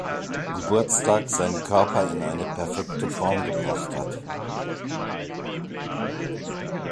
Geburtstag seinen Körper in eine perfekte Form gebracht hat.